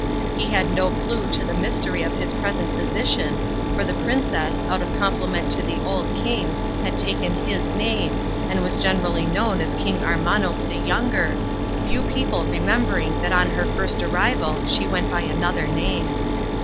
He had no clue to the mystery of his present position, for the princess, out of compliment to the old king, had taken his name, and was generally known as King Armanos the younger, few people remembering that on her first arrival she went by another name.